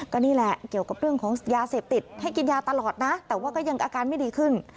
ก็นี่แหละเกี่ยวกับเรื่องของยาเสพติดให้กินยาตลอดนะแต่ว่าก็ยังอาการไม่ดีขึ้น